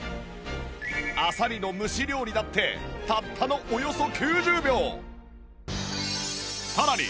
あさりの蒸し料理だってたったのおよそ９０秒！